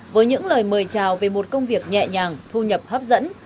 với những lời mời chào về một công việc nhẹ nhàng thu nhập hấp dẫn